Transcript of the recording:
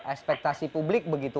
ekspektasi publik begitu